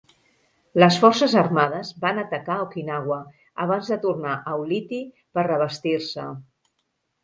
Les forces armades van atacar Okinawa abans de tornar a Ulithi per reabastir-se.